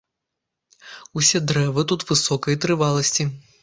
Усе дрэвы тут высокай трываласці.